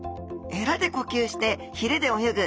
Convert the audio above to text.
えらで呼吸してひれで泳ぐ。